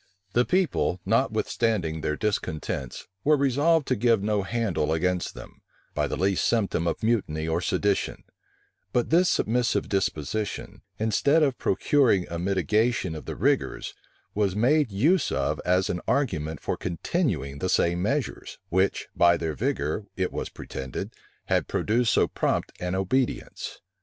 The people, notwithstanding their discontents, were resolved to give no handle against them, by the least symptom of mutiny or sedition: but this submissive disposition, instead of procuring a mitigation of the rigors, was made use of as an argument for continuing the same measures, which, by their vigor, it was pretended, had produced so prompt an obedience.